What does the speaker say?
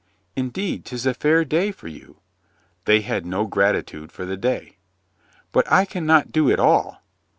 "Indeed, 'tis a fair day for you." They had no gratitude for the day. "But I can not do it all."